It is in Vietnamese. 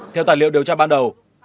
theo tài liệu điều tra ban đầu